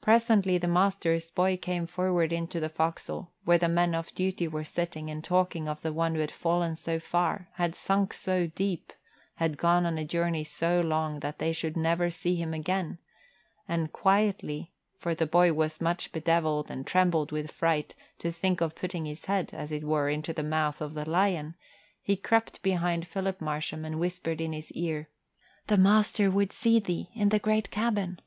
Presently the master's boy came forward into the forecastle, where the men off duty were sitting and talking of the one who had fallen so far, had sunk so deep, had gone on a journey so long that they should never see him again; and quietly for the boy was much bedevilled and trembled with fright to think of putting his head, as it were, into the mouth of the lion he crept behind Philip Marsham and whispered in his ear, "The master would see thee in the great cabin."